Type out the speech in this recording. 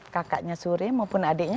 kakaknya suria maupun adiknya